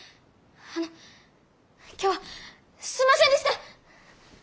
あの今日はすんませんでした！